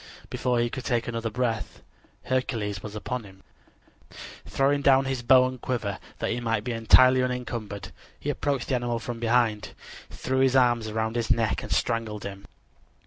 Before he could take another breath, Hercules was upon him. Throwing down his bow and quiver, that he might be entirely unencumbered, he approached the animal from behind, threw his arm around his neck and strangled him.